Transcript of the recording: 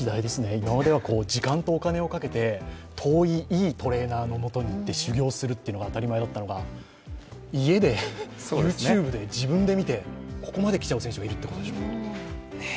今までは時間とお金をかけて遠い、いいトレーナーのもとに行って修業するというのが当たり前だったのが、家でＹｏｕＴｕｂｅで自分で見てここまできちゃう選手がいるってことでしょう。